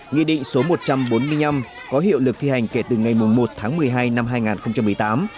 nghị định số một trăm bốn mươi năm có hiệu lực thi hành kể từ ngày một tháng một mươi hai năm hai nghìn một mươi tám